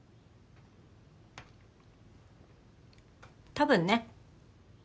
たぶんね。